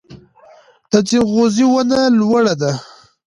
د ځنغوزي ونه لوړه ده